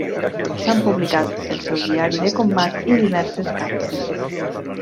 S'han publicat el seu diari de combat i diverses cartes.